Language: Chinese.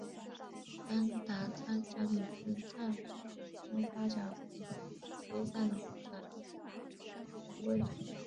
邦达仓家族自昌都发展为西藏的权贵。